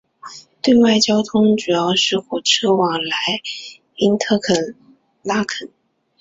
对外交通主要是火车往来因特拉肯。